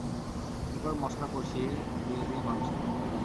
এরপর মসলা কষিয়ে দিয়ে দিন মাংস।